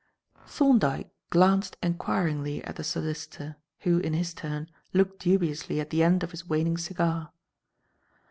Thorndyke glanced enquiringly at the solicitor, who, in his turn, looked dubiously at the end of his waning cigar.